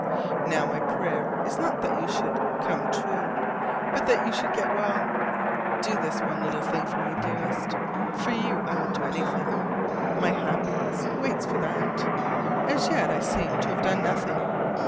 Now my prayer is not that you should "come true," but that you should get well. Do this one little thing for me, dearest! For you I will do anything: my happiness waits for that. As yet I seem to have done nothing.